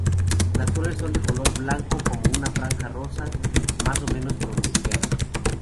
Las flores son de color blanco con una franja rosa, más o menos pronunciada.